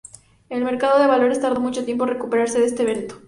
El mercado de valores tardó mucho tiempo en recuperarse de este evento.